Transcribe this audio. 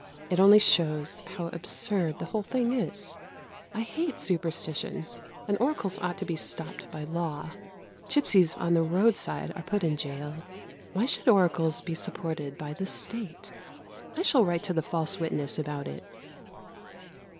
It only shows how absurd the whole thing is. I hate superstition, and oracles ought to be stopped by law. Gypsies on the roadside are put in gaol. Why should oracles be supported by the State? I shall write to the False Witness about it.